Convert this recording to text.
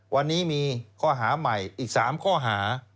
วันนี้มีข้อหาใหม่อีก๓ข้อหา